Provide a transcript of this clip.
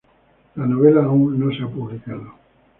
La novela aún no se ha publicado.